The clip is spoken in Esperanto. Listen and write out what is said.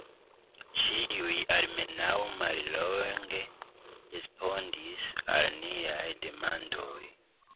Ĉiuj almenaŭ mallonge respondis al niaj demandoj.